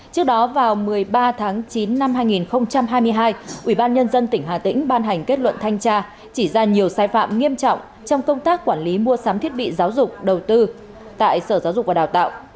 trước đó vào một mươi ba tháng chín năm hai nghìn hai mươi hai ubnd tỉnh hà tĩnh ban hành kết luận thanh tra chỉ ra nhiều sai phạm nghiêm trọng trong công tác quản lý mua sắm thiết bị giáo dục đầu tư tại sở giáo dục và đào tạo